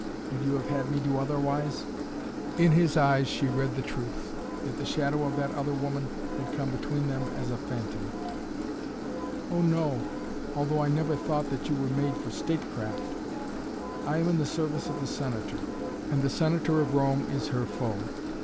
Would you have had me do otherwise?" In his eyes she read the truth. Yet the shadow of that other woman had come between them as a phantom. "Oh, no, although I never thought that you were made for statecraft." "I am in the service of the Senator. And the Senator of Rome is her foe."